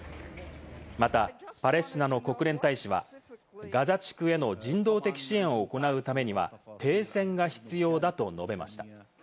また、パレスチナの国連大使はガザ地区への人道的支援を行うためには停戦が必要だと述べました。